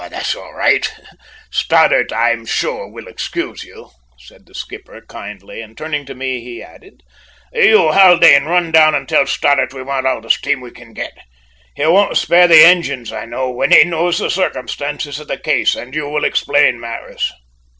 "That's all right. Stoddart, I am sure, will excuse you," said the skipper kindly, and turning to me he added: "You, Haldane, run down and tell Stoddart we want all the steam we can get. He won't spare the engines, I know, when he knows the circumstances of the case, and you will explain matters!"